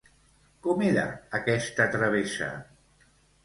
Com era aquesta travessa?